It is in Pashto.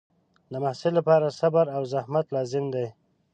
د محصل لپاره صبر او زحمت لازم دی.